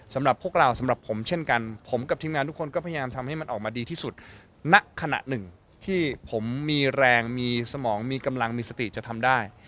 สำหรับพวกเราสำหรับผมเช่นกันผมกับทีมงานทุกคนก็พยายามทำให้มันออกมาดีที่สุดณขณะหนึ่งที่ผมมีแรงมีสมองมีกำลังมีสติจะทำได้